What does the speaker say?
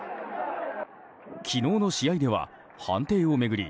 昨日の試合では判定を巡り